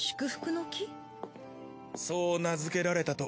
そう名づけられたと